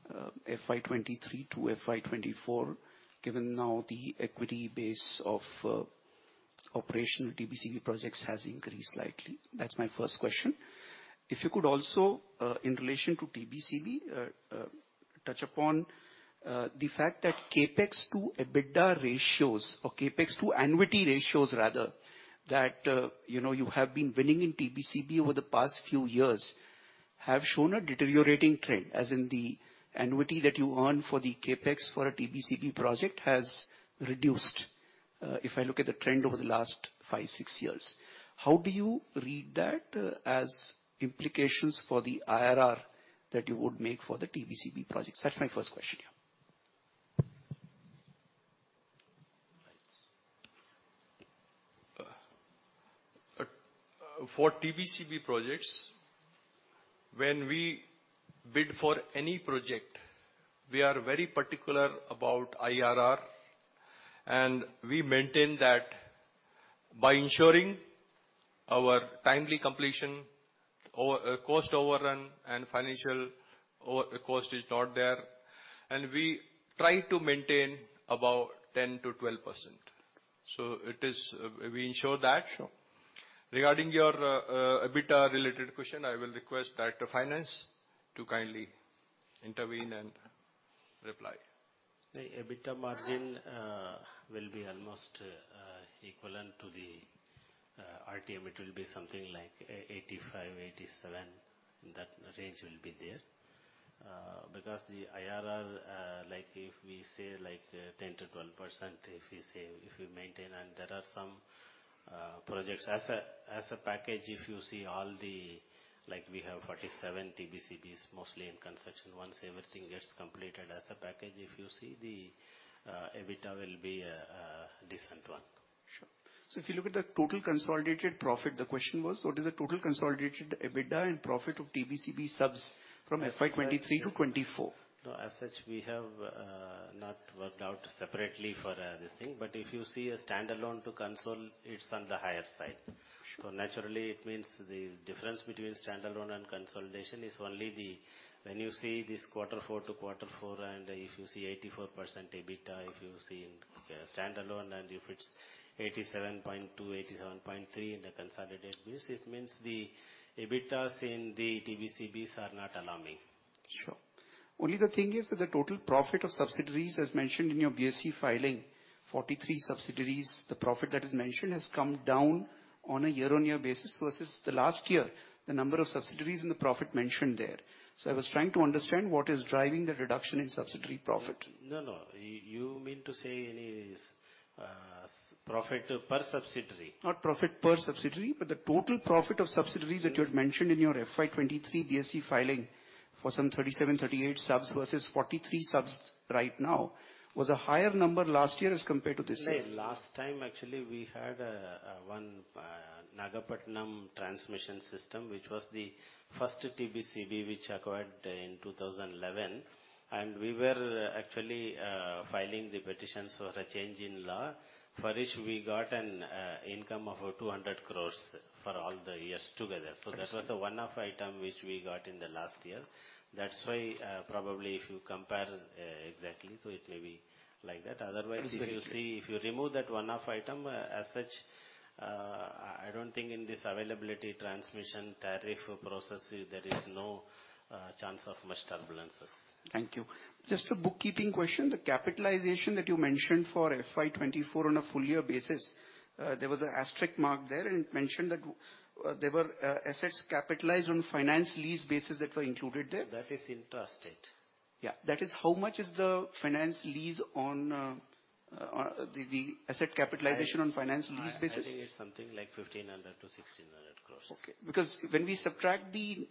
FY 2023 to FY 2024, given now the equity base of operational TBCB projects has increased slightly? That's my first question. If you could also in relation to TBCB touch upon the fact that CapEx to EBITDA ratios or CapEx to annuity ratios rather, that you know you have been winning in TBCB over the past few years, have shown a deteriorating trend, as in the annuity that you earn for the CapEx for a TBCB project has reduced if I look at the trend over the last five to six years. How do you read that as implications for the IRR that you would make for the TBCB projects? That's my first question, yeah. For TBCB projects, when we bid for any project, we are very particular about IRR, and we maintain that by ensuring our timely completion, over... cost overrun, and financial over cost is not there, and we try to maintain about 10%-12%. So it is, we ensure that. Sure. Regarding your EBITDA related question, I will request Director Finance to kindly intervene and reply. The EBITDA margin will be almost equivalent to the RTM. It will be something like 85%-87%. That range will be there. Because the IRR, like, if we say, like, 10%-12%, if we say, if we maintain and there are some projects as a, as a package, if you see all the... Like, we have 47 TBCBs, mostly in construction. Once everything gets completed as a package, if you see the EBITDA will be a, a decent one. Sure. So if you look at the total consolidated profit, the question was, what is the total consolidated EBITDA and profit of TBCB subs from FY 2023 to 2024? No, as such, we have not worked out separately for this thing. But if you see a standalone to consolidated, it's on the higher side. Sure. So naturally, it means the difference between standalone and consolidation is only the, when you see this quarter four to quarter four, and if you see 84% EBITDA, if you see in standalone, and if it's 87.2%, 87.3% in the consolidated base, it means the EBITDAs in the TBCBs are not alarming. Sure. Only the thing is that the total profit of subsidiaries, as mentioned in your BSE filing, 43 subsidiaries, the profit that is mentioned has come down on a year-on-year basis versus the last year, the number of subsidiaries and the profit mentioned there. So I was trying to understand what is driving the reduction in subsidiary profit. No, no. You mean to say any profit per subsidiary? Not profit per subsidiary, but the total profit of subsidiaries- Yeah. -that you had mentioned in your FY 2023 BSC filing for some 37, 38 subs versus 43 subs right now, was a higher number last year as compared to this year. No, last time, actually, we had one Nagapattinam transmission system, which was the first TBCB, which acquired in 2011, and we were actually filing the petitions for a change in law, for which we got an income of 200 crore for all the years together. Understood. That was a one-off item which we got in the last year. That's why, probably if you compare, exactly, so it may be like that. Mm-hmm. Otherwise, if you see, if you remove that one-off item, as such, I don't think in this availability transmission tariff process, there is no chance of much turbulence. Thank you. Just a bookkeeping question. The capitalization that you mentioned for FY 2024 on a full year basis, there was an asterisk mark there, and it mentioned that there were assets capitalized on finance lease basis that were included there. That is intrastate. Yeah. That is how much is the finance lease on the asset capitalization on finance lease basis? I think it's something like 1,500 crore-1,600 crore. Okay. Because when we subtract the,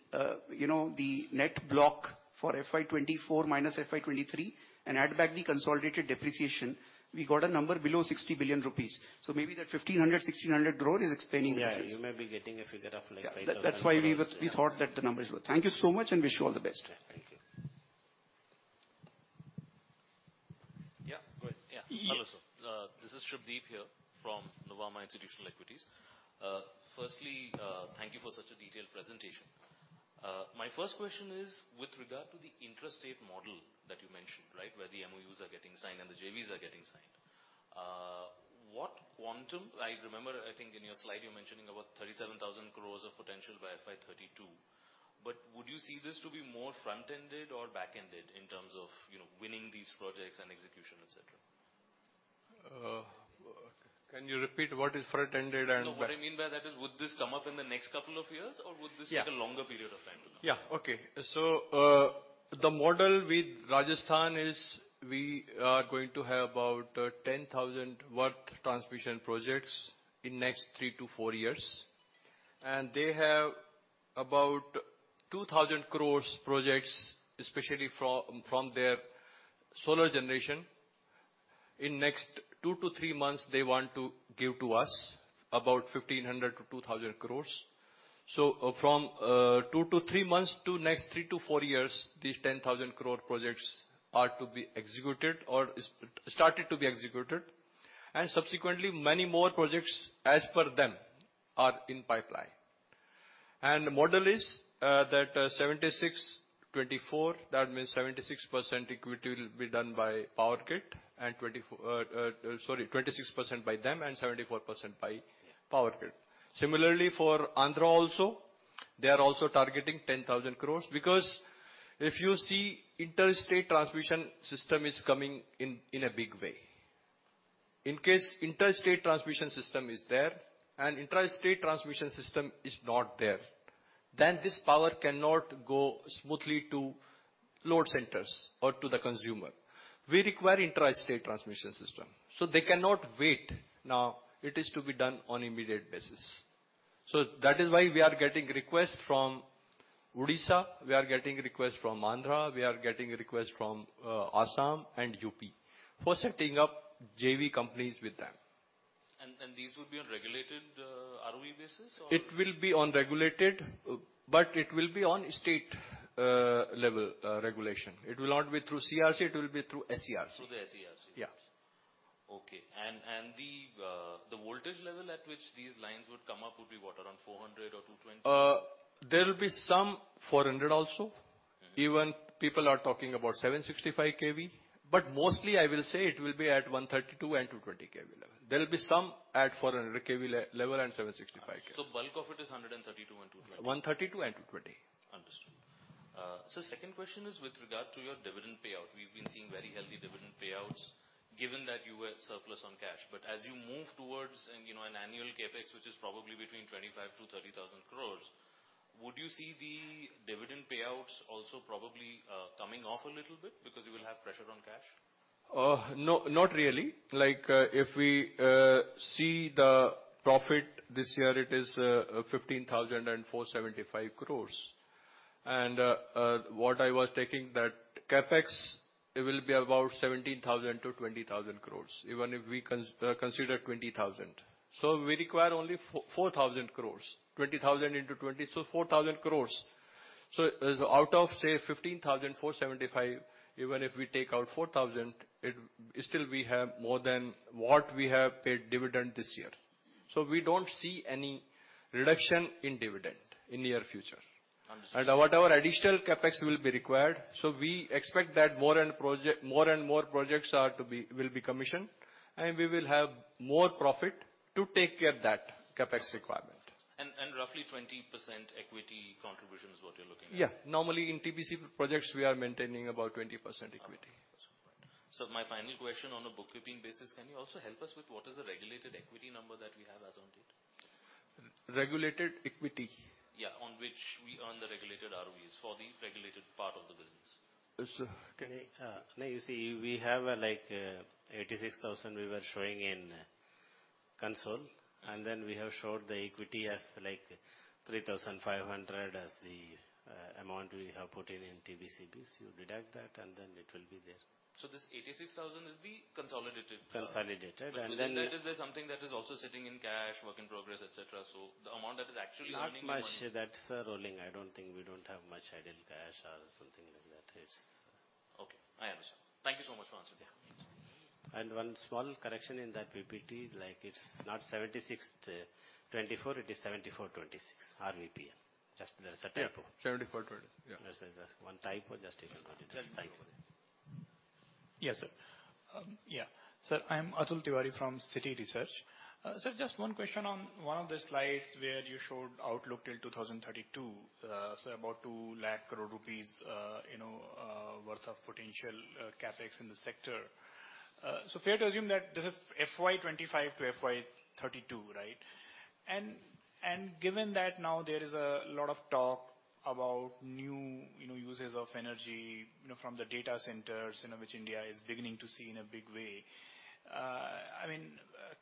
you know, the net block for FY 2024 minus FY 2023 and add back the consolidated depreciation, we got a number below 60 billion rupees. So maybe that 1,500 crore-1,600 crore is explaining the difference. Yeah, you may be getting a figure of, like, 5,000 crore. Yeah. That, that's why we thought that the numbers were... Thank you so much, and wish you all the best. Thank you. Yeah, go ahead. Yeah. Yeah. Hello, sir. This is Subhadip here from Nuvama Institutional Equities. Firstly, thank you for such a detailed presentation. My first question is with regard to the intrastate model that you mentioned, right? Where the MOUs are getting signed, and the JVs are getting signed. What quantum... I remember, I think, in your slide, you... 37,000 crore of potential by FY 2032, but would you see this to be more front-ended or back-ended in terms of, you know, winning these projects and execution, et cetera? Can you repeat what is front-ended and back- No, what I mean by that is, would this come up in the next couple of years, or would this? Yeah. Take a longer period of time? Yeah. Okay. So, the model with Rajasthan is we are going to have about 10,000 crore worth transmission projects in next three to four years, and they have about 2,000 crore projects, especially from their solar generation. In next two to three months, they want to give to us about 1,500 crore-2,000 crore. So from two to three months to next three to four years, these 10,000 crore projects are to be executed or is started to be executed, and subsequently, many more projects as per them, are in pipeline. And the model is that 76%-24%, that means 76% equity will be done by Power Grid and 24%... sorry, 26% by them, and 74% by Power Grid. Similarly, for Andhra also, they are also targeting 10,000 crore, because if you see, interstate transmission system is coming in, in a big way. In case interstate transmission system is there and intrastate transmission system is not there, then this power cannot go smoothly to load centers or to the consumer. We require intrastate transmission system, so they cannot wait. Now, it is to be done on immediate basis. So that is why we are getting requests from Odisha, we are getting requests from Andhra, we are getting requests from, Assam and UP for setting up JV companies with them. These would be on regulated ROE basis, or? It will be on regulated, but it will be on state level regulation. It will not be through CRC, it will be through SERC. Through the SERC. Yeah. Okay. And the voltage level at which these lines would come up would be what? Around 400 kV or 220 kV? There will be some 400 kV also. Mm-hmm. Even people are talking about 765 kV, but mostly I will say it will be at 132 kV and 220 kV level. There will be some at 400 kV level and 765 kV. Bulk of it is 132 kV and 220 kV. 132 kV and 220 kV. Understood. So second question is with regard to your dividend payout. We've been seeing very healthy dividend payouts, given that you were surplus on cash, but as you move towards an, you know, an annual CapEx, which is probably between 25,000 crore-30,000 crore, would you see the dividend payouts also probably coming off a little bit because you will have pressure on cash? No, not really. Like, if we see the profit this year, it is 15,475 crore. What I was taking that CapEx, it will be about 17,000 crore-20,000 crore, even if we consider 20,000 crore. So we require only 4,000 crore, 20,000 crore into 20, so 4,000 crore. So out of, say, 15,475 crore, even if we take out 4,000 crore, it still we have more than what we have paid dividend this year. So we don't see any reduction in dividend in near future. Understood. Whatever additional CapEx will be required, so we expect that more and more projects will be commissioned, and we will have more profit to take care of that CapEx requirement. Roughly 20% equity contribution is what you're looking at? Yeah. Normally, in TBC projects, we are maintaining about 20% equity. My final question on a bookkeeping basis, can you also help us with what is the regulated equity number that we have as on date? Regulated equity? Yeah, on which we earn the regulated ROEs for the regulated part of the business. Uh, okay. Now you see, we have, like, 86,000 crore we were showing in console, and then we have showed the equity as, like, 3,500 crore as the amount we have put in, in TBCPS. You deduct that, and then it will be there. This 86,000 crore is the consolidated- Consolidated, and then- Within that, is there something that is also sitting in cash, work in progress, et cetera? The amount that is actually earning you money- Not much that's rolling. I don't think we don't have much idle cash or something like that. It's- Okay, I understand. Thank you so much for answering. Yeah. One small correction in that PPT, like, it's not 76, 24, it is 74, 26, RVPN. Just there is a typo. Yeah, 74, 20. Yeah. There's one typo, just you can put it. Thank you. Yes, sir. Sir, I'm Atul Tiwari from Citi Research. Sir, just one question on one of the slides where you showed outlook till 2032, so about 200,000 crore rupees, you know, worth of potential, CapEx in the sector. So fair to assume that this is FY 2025 to FY 2032, right? And given that now there is a lot of talk about new, you know, uses of energy, you know, from the data centers, you know, which India is beginning to see in a big way, I mean,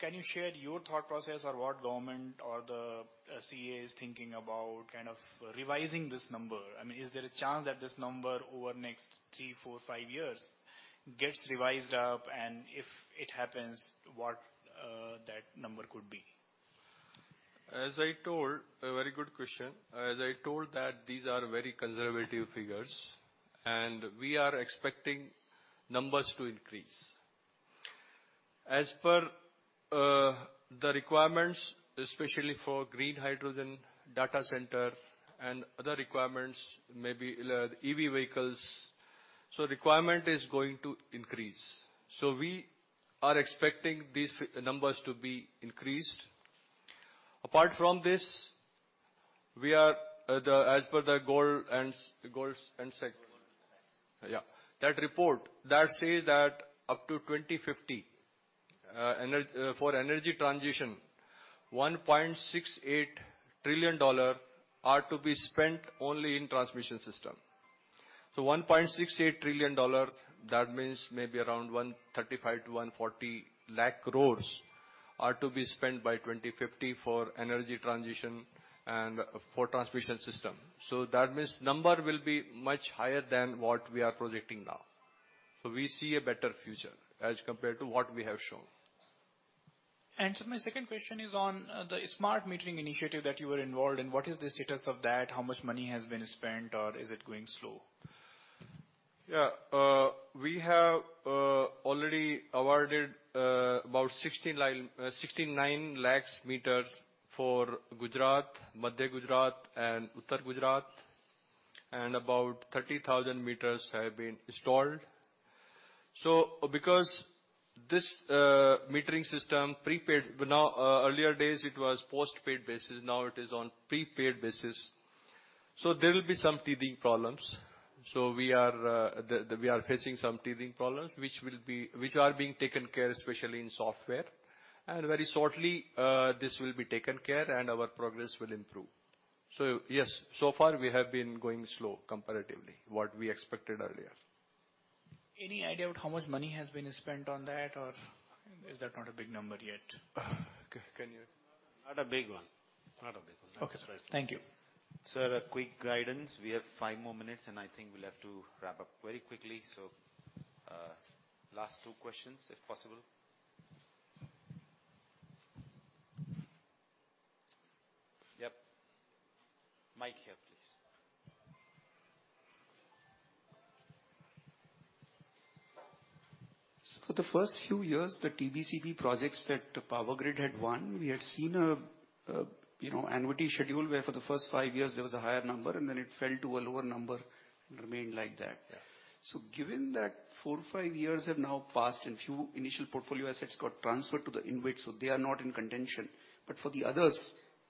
can you share your thought process or what government or the CA is thinking about kind of revising this number? I mean, is there a chance that this number over the next three, four, five years gets revised up? And if it happens, what, that number could be? As I told... A very good question. As I told that these are very conservative figures, and we are expecting numbers to increase. As per the requirements, especially for green hydrogen, data center, and other requirements, maybe EV vehicles... So requirement is going to increase, so we are expecting these numbers to be increased. Apart from this, we are as per the goal and goals and sec- Goals and SEC. Yeah, that report that say that up to 2050, for energy transition, $1.68 trillion are to be spent only in transmission system. So $1.68 trillion, that means maybe around 135,000 crore-140,000 crore are to be spent by 2050 for energy transition and for transmission system. So that means number will be much higher than what we are projecting now. So we see a better future as compared to what we have shown. And so my second question is on the smart metering initiative that you were involved in. What is the status of that? How much money has been spent, or is it going slow? Yeah, we have already awarded about 69,000 meters for Gujarat, Madhya Gujarat, and Uttar Gujarat, and about 30,000 meters have been installed. So because this metering system, prepaid, but now, earlier days it was post-paid basis, now it is on prepaid basis, so there will be some teething problems. So we are facing some teething problems, which are being taken care, especially in software. And very shortly, this will be taken care and our progress will improve. So yes, so far we have been going slow comparatively, what we expected earlier. Any idea about how much money has been spent on that, or is that not a big number yet? Can you- Not a big one. Not a big one. Okay, thank you. Sir, a quick guidance. We have five more minutes, and I think we'll have to wrap up very quickly, so, last two questions, if possible. Yep. Mic here, please. For the first few years, the TBCB projects that the Power Grid had won, we had seen a, you know, annuity schedule, where for the first five years there was a higher number, and then it fell to a lower number and remained like that. Yeah. So given that four, five years have now passed and few initial portfolio assets got transferred to the InvIT, so they are not in contention, but for the others,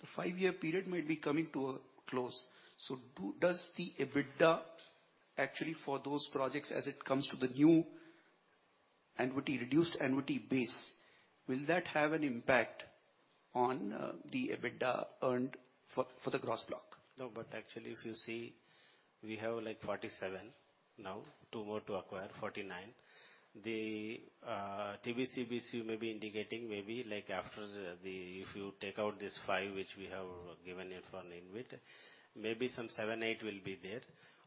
the five-year period might be coming to a close. So does the EBITDA actually for those projects, as it comes to the new annuity, reduced annuity base, will that have an impact on the EBITDA earned for the gross block? No, but actually, if you see, we have, like, 47 now, two more to acquire, 49. The TBCB may be indicating maybe like after the... If you take out this five, which we have given it for InvIT, maybe some seven, eight will be there.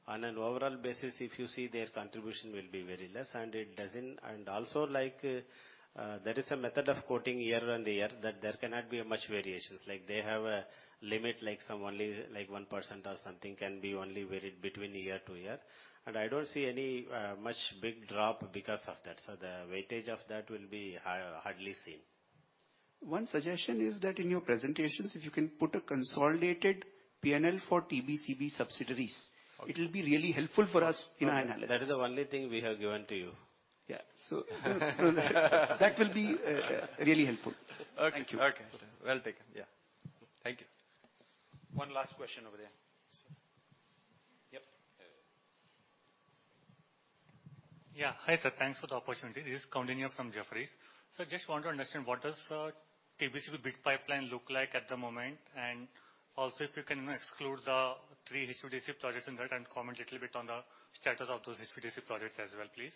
On an overall basis, if you see, their contribution will be very less, and it doesn't... And also, like, there is a method of quoting year-on-year, that there cannot be much variations. Like, they have a limit, like some only, like 1% or something, can be only varied between year-to-year. And I don't see any much big drop because of that, so the weightage of that will be hardly seen. One suggestion is that in your presentations, if you can put a consolidated P&L for TBCB subsidiaries- Okay. It will be really helpful for us in our analysis. That is the only thing we have given to you. Yeah, so that will be really helpful. Okay. Thank you. Okay. Well, taken. Yeah. Thank you. One last question over there. Yep. Yeah. Hi, sir. Thanks for the opportunity. This is Koundinya from Jefferies. So just want to understand, what does TBCB bid pipeline look like at the moment? And also, if you can exclude the three HVDC projects in that, and comment little bit on the status of those HVDC projects as well, please.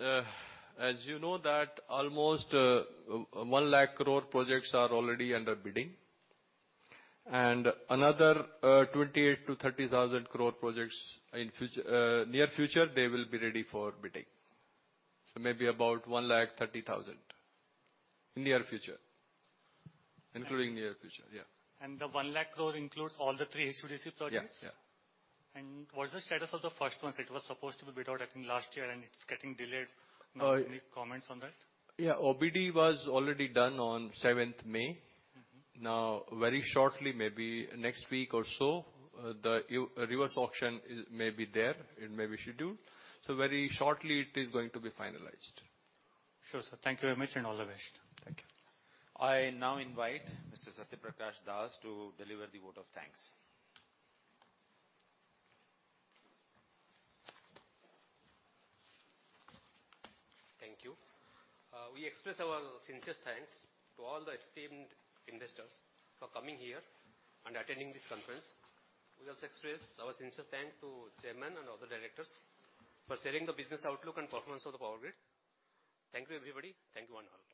As you know, that almost 100,000 crore projects are already under bidding. Another 28,000 crore-30,000 crore projects in the near future, they will be ready for bidding. Maybe about 130,000 crore in near future, including near future, yeah. The 100,000 crore includes all the three HVDC projects? Yeah. Yeah. What is the status of the first one? It was supposed to be bid out, I think, and it's getting delayed. Uh- Any comments on that? Yeah, OBD was already done on 7th May. Mm-hmm. Now, very shortly, maybe next week or so, the reverse auction is, may be there, it may be scheduled. So very shortly, it is going to be finalized. Sure, sir. Thank you very much, and all the best. Thank you. I now invite Mr. Satyaprakash Dash to deliver the vote of thanks. Thank you. We express our sincerest thanks to all the esteemed investors for coming here and attending this conference. We also express our sincerest thanks to Chairman and other directors for sharing the business outlook and performance of the Power Grid. Thank you, everybody. Thank you, one and all. Thank you.